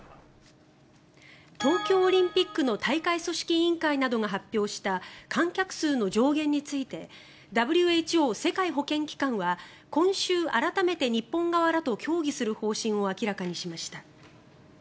東京オリンピックの大会組織委員会などが発表した観客数の上限についてＷＨＯ・世界保健機関は今週、改めて日本側らと協議する方針を明らかにしました。